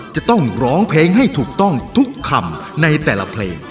จะต้องร้องเพลงให้ถูกต้องทุกคำในแต่ละเพลง